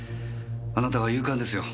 あなたは勇敢ですよ。